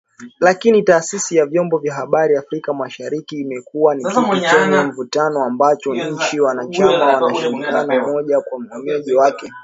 Lakini Taasisi ya Vyombo vya Habari Afrika Mashariki imekuwa ni kitu chenye mvutano, ambapo nchi wanachama wanashindana kila mmoja kuwa mwenyeji wake.